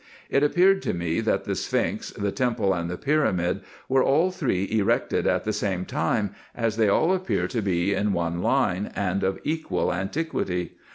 It appeared to me, that the sphinx, the temple, and the pyramid, were all three erected at the same time, as they all appear to be in one line, and of equal antiquity.